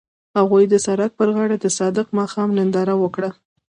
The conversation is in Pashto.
هغوی د سړک پر غاړه د صادق ماښام ننداره وکړه.